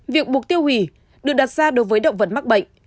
việc buộc tiêu hủy được đặt ra đối với động vật mắc bệnh